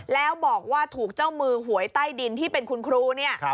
แล้วบอกว่าถูกเจ้ามือหวยใต้ดินที่เป็นคุณครูเนี่ย